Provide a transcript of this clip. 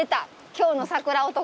今日の桜男。